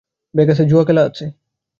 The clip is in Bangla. ভেগাসে জুয়া খেলা আছে।